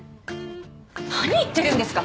何言ってるんですか！